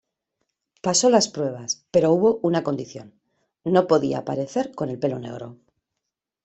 Pasó las pruebas, pero hubo una condición: no podía aparecer con el pelo negro.